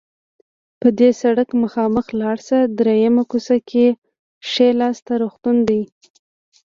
په دې سړک مخامخ لاړ شه، دریمه کوڅه کې ښي لاس ته روغتون ده.